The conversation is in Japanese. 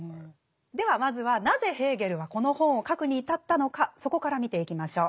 ではまずはなぜヘーゲルはこの本を書くに至ったのかそこから見ていきましょう。